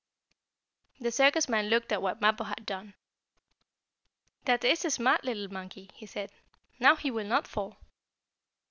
The circus man looked at what Mappo had done. "That is a smart little monkey," he said. "Now he will not fall."